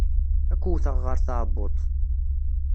Ad k-wteɣ ɣer tɛebbuḍt.